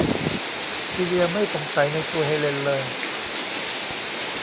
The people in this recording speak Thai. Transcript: ซีเลียไม่สงสัยในตัวเฮเลนเลย